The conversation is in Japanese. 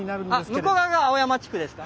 向こう側が青山地区ですか？